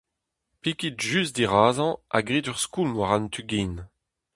Pikit just dirazañ ha grit ur skoulm war an tu-gin.